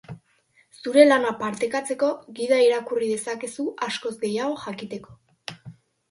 Zure lana partekatzeko gida irakurri dezakezu askoz gehiago jakiteko.